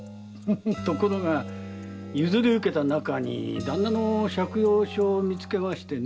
ところが譲り受けたなかに旦那の借用書を見つけましてね。